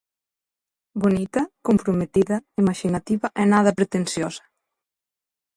Bonita, comprometida, imaxinativa e nada pretensiosa.